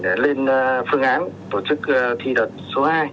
để lên phương án tổ chức thi đợt số hai